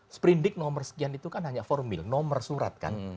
sprindik nomor sekian itu kan hanya formil nomor surat kan